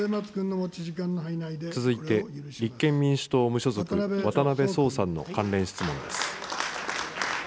続いて立憲民主党・無所属、渡辺創さんの関連質問です。